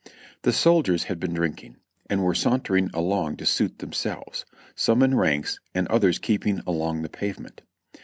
The soldiers had been drinking, and were sauntering along to suit themselves, some in ranks and others keeping along the pavement.